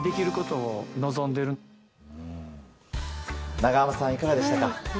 長濱さん、いかがでしたか？